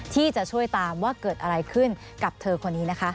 ที่จะช่วยตามว่าเกิดอะไรขึ้นกับเธอคนนี้นะคะ